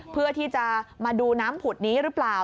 เพื่อที่จะมาดูน้ำผุดนี้หรือเปล่า